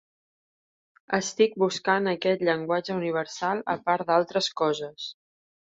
Estic buscant aquest Llenguatge Universal, a part d'altres coses.